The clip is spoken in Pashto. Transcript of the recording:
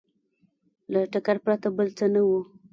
له ټکر پرته بل څه نه وو